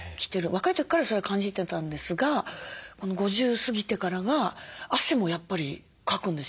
若い時からそれは感じてたんですが５０過ぎてからが汗もやっぱりかくんですよ。